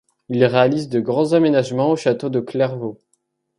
Il réalise de grands aménagements au château de Clairvaux.